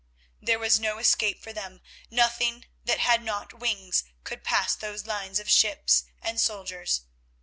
There was no escape for them; nothing that had not wings could pass those lines of ships and soldiers.